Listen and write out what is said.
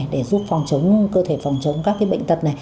để giúp cơ thể phòng chống các bệnh tật